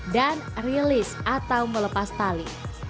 dan release atau melepas tali